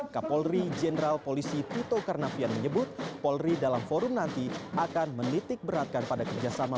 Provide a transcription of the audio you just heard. kapolri jenderal polisi tito karnavian menyebut polri dalam forum nanti akan menitik beratkan pada kerjasama